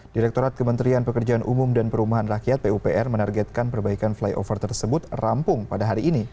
direktorat kementerian pekerjaan umum dan perumahan rakyat pupr menargetkan perbaikan flyover tersebut rampung pada hari ini